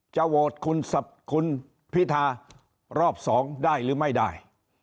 จะโหวตคุณพิธารอบ๒ได้หรือไม่ได้